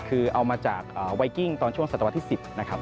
คือเอามาจากไวกิ้งตอนช่วงศตวรรษที่๑๐นะครับ